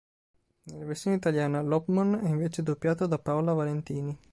Nella versione italiana, Lopmon è invece doppiato da Paola Valentini.